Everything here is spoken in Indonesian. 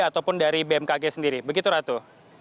ataupun dari bmkg sendiri begitu ratu